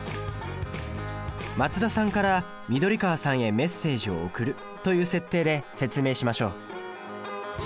松田さんから緑川さんへメッセージを送るという設定で説明しましょう。